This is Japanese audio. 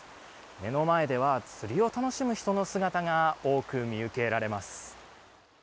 目の前では釣りを楽しむ人の姿が多く見受けられます。